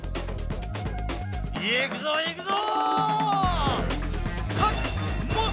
いくぞいくぞ！